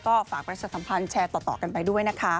ก็ฝากประชาสัมพันธ์แชร์ต่อกันไปด้วยนะคะ